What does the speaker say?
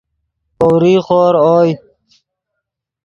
پؤریغ خور اوئے